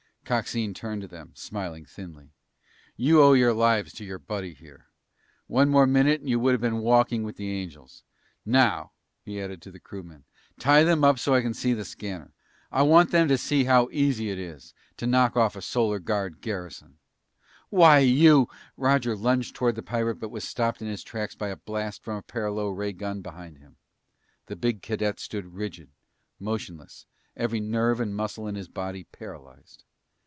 Coxine turned to them, smiling thinly. "You owe your lives to your buddy here. One more minute and you would've been walking with the angels. Now," he added to the crewmen, "tie them up so they can see the scanner. I want them to see how easy it is to knock off a Solar Guard garrison!" "Why you " Astro lunged toward the pirate but was stopped in his tracks by a blast from a paralo ray gun behind him. The big cadet stood rigid, motionless, every nerve and muscle in his body paralyzed.